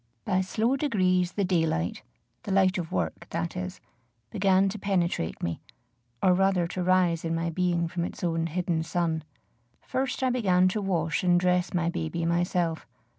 By slow degrees the daylight, the light of work, that is, began to penetrate me, or rather to rise in my being from its own hidden sun. First I began to wash and dress my baby myself.